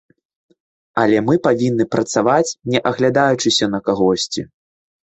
Але мы павінны працаваць, не аглядаючыся на кагосьці.